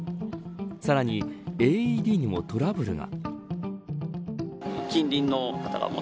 さらにＡＥＤにもトラブルが。